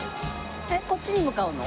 えっこっちに向かうの？